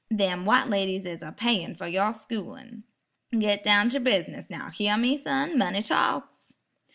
Them white ladies is apayin' fer yer schoolin'. Git down ter bus'ness, now, hyar me, son? money talks."